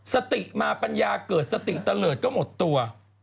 สติมาปัญญาเกิดสติเตลิศก็หมดตัว